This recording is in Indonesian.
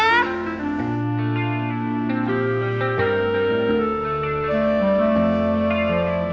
kamu jadi kerja nggak